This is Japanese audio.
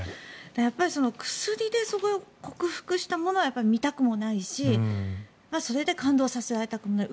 やっぱり薬で克服したものは見たくもないしそれで感動させられたくない。